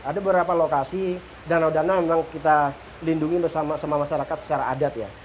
ada beberapa lokasi danau danau memang kita lindungi sama masyarakat secara adat ya